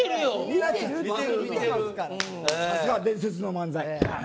さすが伝説の漫才。